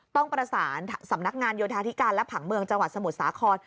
ต้องประสานสำนักงานโยธาธิการและผังเมืองจังหวัดสมุทรสาคร